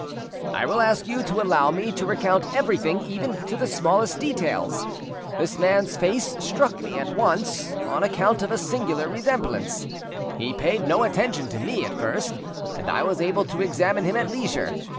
I will ask you to allow me to recount everything; even to the smallest details. This man's face struck me at once, on account of a singular resemblance; he paid no attention to me at first, and I was able to examine him at leisure.